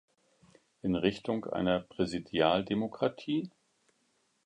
In Richtung einer Präsidialdemokratie?